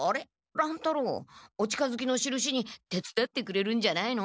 乱太郎お近づきのしるしに手つだってくれるんじゃないの？